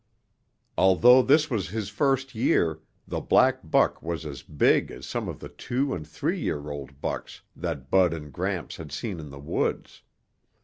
Although this was his first year, the black buck was as big as some of the two and three year old bucks that Bud and Gramps had seen in the woods.